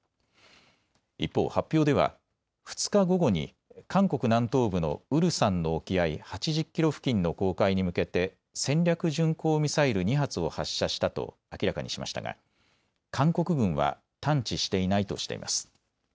一方、発表では２日午後に韓国南東部のウルサンの沖合８０キロ付近の公海に向けて戦略巡航ミサイル２発を発射したと明らかにしましたが韓国軍は探知していないとしています。